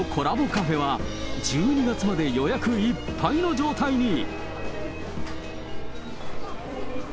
カフェは、１２月まで予約いっぱいの状態に。